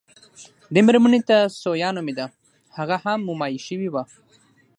دې مېرمنې ته ثویا نومېده، هغه هم مومیايي شوې وه.